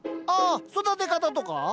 ああ育て方とか？